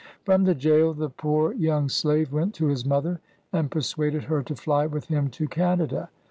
From the jail, the poor young slave went to his mother, and persuaded her to fly with him to Canada.